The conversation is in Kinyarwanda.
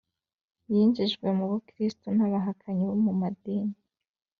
yinjijwe mu bukristo n’abahakanyi bo mu madini